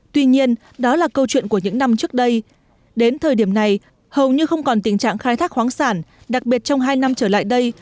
tuy nhiên đó là câu chuyện của những năm trước đây đến thời điểm này hầu như không còn tình trạng khai thác khoáng sản đặc biệt trong hai năm trở lại đây